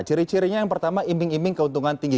ciri cirinya yang pertama imbing imbing keuntungan tinggi